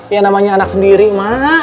ya namanya anak sendiri mah